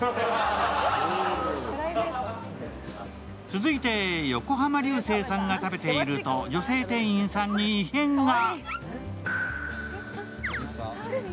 続いて横浜流星さんが食べていると女性店員さんに異変が。